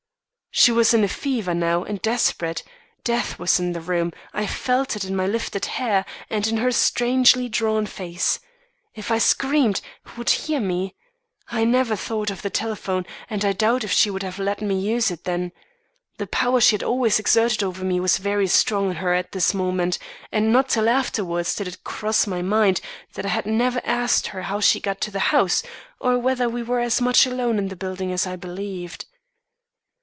"She was in a fever, now, and desperate. Death was in the room; I felt it in my lifted hair, and in her strangely drawn face. If I screamed, who would hear me? I never thought of the telephone, and I doubt if she would have let me use it then. The power she had always exerted over me was very strong in her at this moment; and not till afterwards did it cross my mind that I had never asked her how she got to the house, or whether we were as much alone in the building as I believed.